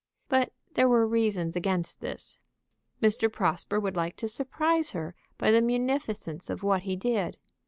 But there were reasons against this. Mr. Prosper would like to surprise her by the munificence of what he did.